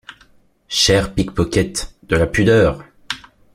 Chers pick-pockets, de la pudeur!